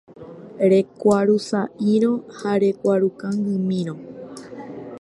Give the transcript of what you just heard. Rekuarusa'írõ ha rekuaru kangymírõ.